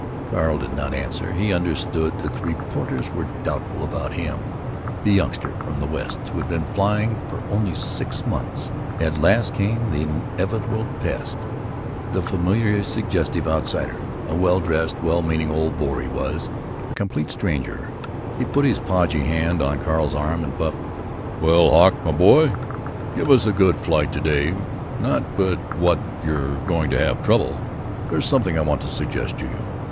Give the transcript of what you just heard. Carl did not answer. He understood that the reporters were doubtful about him, the youngster from the West who had been flying for only six months. At last came the inevitable pest, the familiarly suggestive outsider. A well dressed, well meaning old bore he was; a complete stranger. He put his podgy hand on Carl's arm and puffed: "Well, Hawk, my boy, give us a good flight to day; not but what you're going to have trouble. There's something I want to suggest to you.